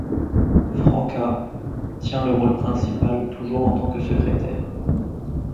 Franka tient le rôle principal, toujours en tant que secrétaire.